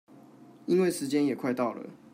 因為時間也快到了